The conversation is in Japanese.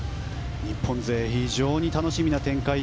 日本勢、非常に楽しみな展開。